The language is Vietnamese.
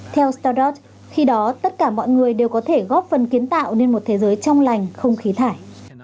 theo start khi đó tất cả mọi người đều có thể góp phần kiến tạo nên một thế giới trong lành không khí thải